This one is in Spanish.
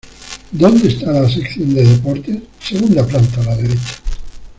¿Dónde esta la sección de deportes? segunda planta a la derecha